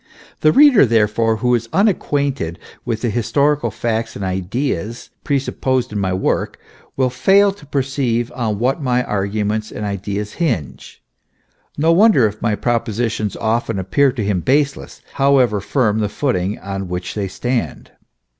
The reader, therefore, who is unacquainted with the historical facts and ideas presupposed in my work, will fail to perceive on what my arguments and ideas hinge ; no wonder if my positions often appear to him baseless, however firm the footing on which they stand.